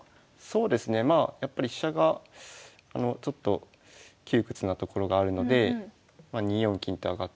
そうですねまあやっぱり飛車がちょっと窮屈なところがあるのでまあ２四金と上がって。